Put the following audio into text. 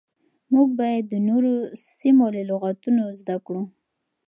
موږ بايد د نورو سيمو له لغتونو زده کړو.